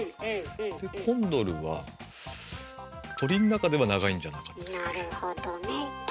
でコンドルは鳥の中では長いんじゃなかったですっけ。